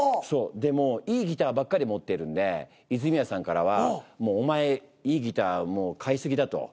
でもういいギターばっかり持ってるんで泉谷さんからは「もうお前いいギター買い過ぎだ」と。